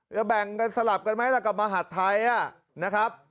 จะแบ่งกันสลับกันไหมล่ะกับมหัฒน์ไทยอ่ะนะครับ